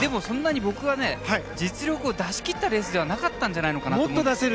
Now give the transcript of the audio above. そんなに僕は実力を出し切ったレースではなかったんじゃないのかなと。